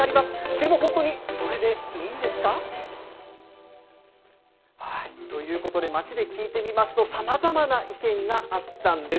でも、本当にそれでいいんですか？ということで、街で聞いてみますと、さまざまな意見があったんです。